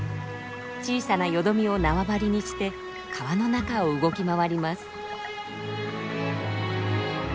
小さなよどみを縄張りにして川の中を動き回ります。